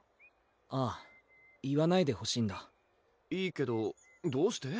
ああ言わないでほしいんだいいけどどうして？